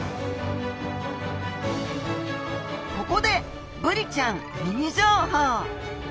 ここでブリちゃんミニ情報！